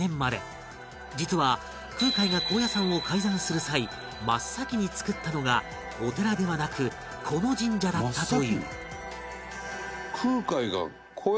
実は空海が高野山を開山する際真っ先に造ったのがお寺ではなくこの神社だったという